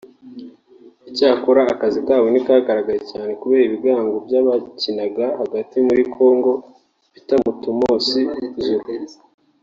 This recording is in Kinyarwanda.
Icyakora akazi kabo ntikagaragaye cyane kubera ibigango by’abakinaga hagati muri Congo; Peter Mutumosi Zulu